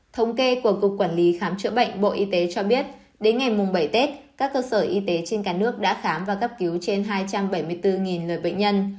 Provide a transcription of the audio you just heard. thống kê của cục quản lý khám chữa bệnh bộ y tế cho biết đến ngày bảy tết các cơ sở y tế trên cả nước đã khám và cấp cứu trên hai trăm bảy mươi bốn lời bệnh nhân